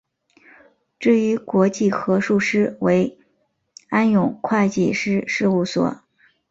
至于国际核数师为安永会计师事务所。